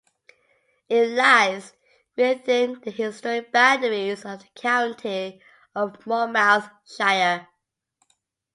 It lies within the historic boundaries of the county of Monmouthshire.